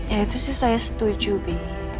ya itu sih saya setuju bi